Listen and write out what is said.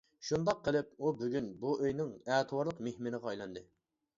شۇنداق قىلىپ ئۇ بۈگۈن بۇ ئۆينىڭ ئەتىۋارلىق مېھمىنىغا ئايلاندى.